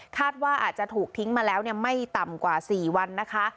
ว่าอาจจะถูกทิ้งมาแล้วไม่ต่ำกว่า๔วันนะคะ